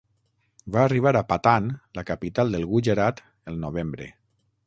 Va arribar a Patan, la capital del Gujarat el novembre.